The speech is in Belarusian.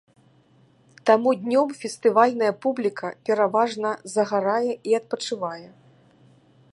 Таму днём фестывальная публіка пераважна загарае і адпачывае.